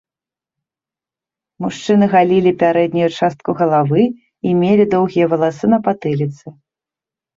Мужчыны галілі пярэднюю частку галавы і мелі доўгія валасы на патыліцы.